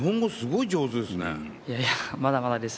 いや、まだまだです。